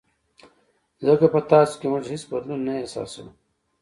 ځکه په تاسو کې موږ هېڅ بدلون نه احساسوو.